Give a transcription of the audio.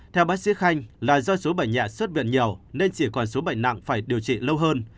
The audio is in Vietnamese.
theo bác sĩ khanh là do số bệnh nhạ xuất viện nhiều nên chỉ còn số bệnh nặng phải điều trị lâu hơn